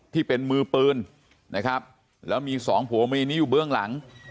ที่เป็นมือปืนนะครับแล้วมีสองผัวเมียนี้อยู่เบื้องหลัง